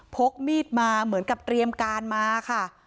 พกมีดมาเหมือนกับเตรียมการมาค่ะ